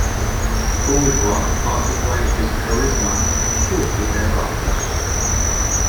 Bourgeois parted ways with Charisma shortly thereafter.